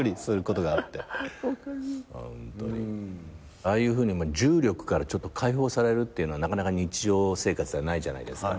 ああいうふうに重力から解放されるっていうのはなかなか日常生活ではないじゃないですか。